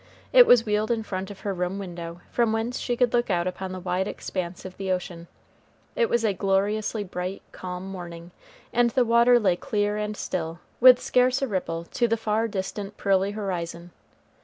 It was wheeled in front of her room window, from whence she could look out upon the wide expanse of the ocean. It was a gloriously bright, calm morning, and the water lay clear and still, with scarce a ripple, to the far distant pearly horizon.